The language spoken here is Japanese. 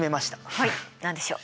はい何でしょう？